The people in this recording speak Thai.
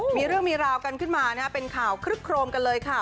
มีเรื่องมีราวกันขึ้นมาเป็นข่าวคลึกโครมกันเลยค่ะ